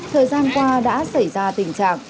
thời gian qua đã xảy ra tình trạng